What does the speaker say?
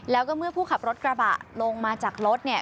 แล้วก็เมื่อผู้ขับรถกระบะลงมาจากรถเนี่ย